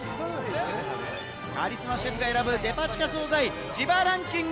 カリスマシェフが選ぶデパ地下総菜、自腹ンキング。